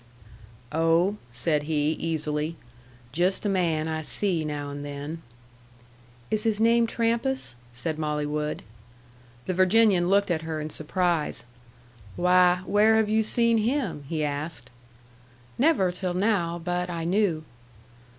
"Oh," said he, easily, "just a man I see now and then." "Is his name Trampas?" said Molly Wood. The Virginian looked at her in surprise. "Why, where have you seen him?" he asked. "Never till now. But I knew."